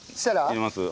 入れます？